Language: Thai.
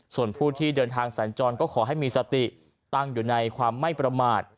ส่วนผู้ที่เดินทางสัญจรก็ขอให้มีสติตั้งอยู่ในความไม่ประมาท